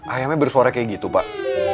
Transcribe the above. ayamnya bersuara kayak gitu pak